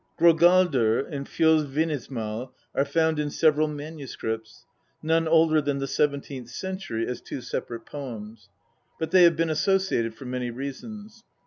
Gr6galdr and Fjolsvinnism&l are found in several MSS., none older than the seventeenth century, as two separate poems, but they have been associated for many reasons.